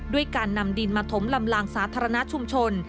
ด้วยการนำดินมาถมลำลางสาธารณชุมชน